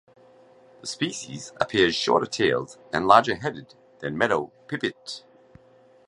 This species appears shorter tailed and larger headed than meadow pipit.